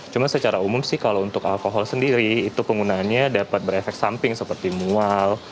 cuma secara umum sih kalau untuk alkohol sendiri itu penggunaannya dapat berefek samping seperti mual